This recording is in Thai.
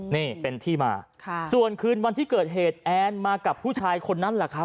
นี่เป็นที่มาส่วนคืนวันที่เกิดเหตุแอนมากับผู้ชายคนนั้นแหละครับ